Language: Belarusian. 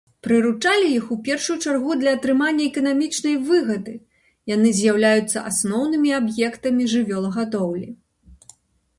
Прыручалі іх у першую чаргу для атрымання эканамічнай выгады, яны з'яўляюцца асноўнымі аб'ектамі жывёлагадоўлі.